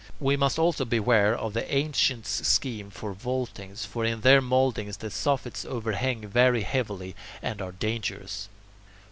We must also beware of the ancients' scheme for vaultings; for in their mouldings the soffits overhang very heavily, and are dangerous.